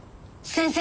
先生。